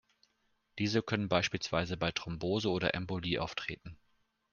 Diese können beispielsweise bei Thrombose oder Embolie auftreten.